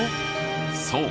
そう！